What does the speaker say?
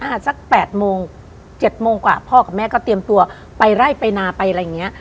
สัก๘โมง๗โมงกว่าพ่อกับแม่ก็เตรียมตัวไปไล่ไปนาไปอะไรอย่างนี้